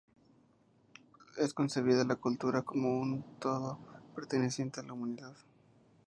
Es concebida la cultura como un todo perteneciente a la humanidad.